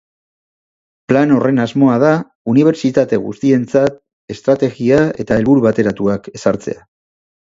Plan horren asmoa da unibertsitate guztientzat estrategia eta helburu bateratuak ezartzea.